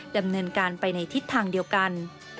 ดำเนินการไปในทิศทางเดียวกัน